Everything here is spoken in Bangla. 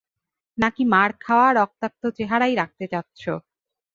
নাকি মার খাওয়া, রক্তাক্ত চেহারাই রাখতে চাচ্ছ।